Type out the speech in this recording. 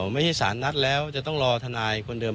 ไม่ใช่สารนัดแล้วจะต้องรอทนายคนเดิม